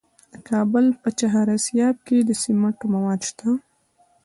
د کابل په چهار اسیاب کې د سمنټو مواد شته.